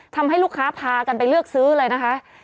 ทำให้ลูกค้าพากันไปเลือกซื้อเลยนะคะ